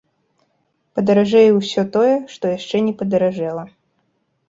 Падаражэе ўсё тое, што яшчэ не падаражэла.